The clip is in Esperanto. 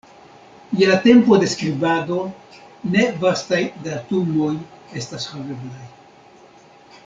Je la tempo de skribado ne vastaj datumoj estas haveblaj.